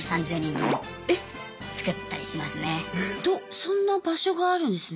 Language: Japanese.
そんな場所があるんですね。